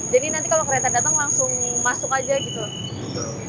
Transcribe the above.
jadi nanti kalau kereta datang langsung masuk aja gitu